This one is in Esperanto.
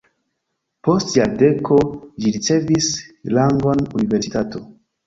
Post jardeko ĝi ricevis rangon universitato.